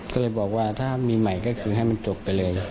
ก็เลยบอกว่าถ้ามีใหม่ก็คือให้มันจบไปเลย